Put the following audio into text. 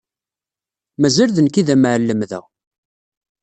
Mazal d nekk i d amɛellem da.